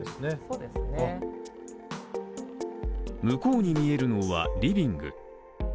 向こうに見えるのは、リビング。